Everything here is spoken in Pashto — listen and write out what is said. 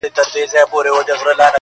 ورځه ویده سه موږ به څرک د سبا ولټوو.!.!